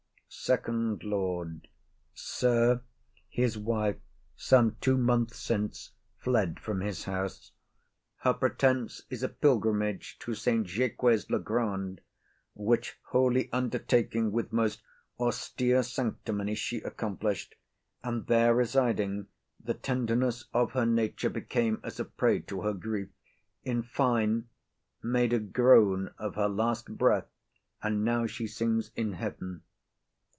FIRST LORD. Sir, his wife some two months since fled from his house. Her pretence is a pilgrimage to Saint Jaques le Grand; which holy undertaking with most austere sanctimony she accomplished; and there residing, the tenderness of her nature became as a prey to her grief; in fine, made a groan of her last breath, and now she sings in heaven.